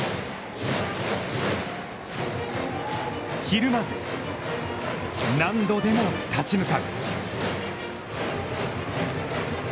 ひるまず、何度でも立ち向かう！